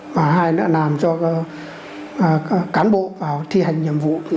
mà oai đã làm cho cán bộ vào thi hành nhiệm vụ